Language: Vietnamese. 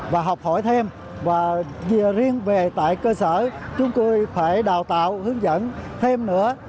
và học hỏi thêm và riêng về tại cơ sở chúng tôi phải đào tạo hướng dẫn thêm nữa